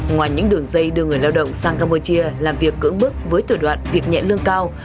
ngoài những đường dây đưa người lao động sang campuchia làm việc cưỡng bước với tuyệt đoạn việc nhẹ lương cao